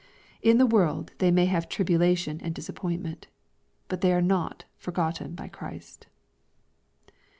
In the world they may have tribulation and disappointment. But they are not forgotten by Christ.